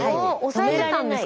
抑えてたんですか？